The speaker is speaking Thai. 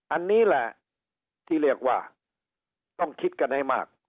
อันนี้แหละที่เรียกว่าต้องคิดกันให้มาก